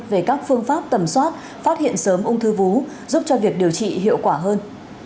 về các phương pháp tầm soát phát hiện sớm ung thư vú giúp cho việc điều trị hiệu quả hơn